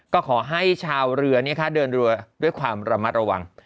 ก็ขอให้ชาวเรือเดินเรือด้วยความระมัดระวัง